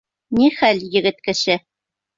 — Нихәл, егет кеше!